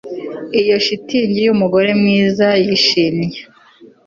Iyo shitingi yumugore mwiza yishimye